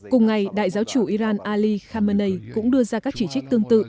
cùng ngày đại giáo chủ iran ali khamenei cũng đưa ra các chỉ trích tương tự